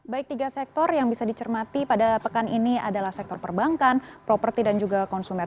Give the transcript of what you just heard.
baik tiga sektor yang bisa dicermati pada pekan ini adalah sektor perbankan properti dan juga konsumen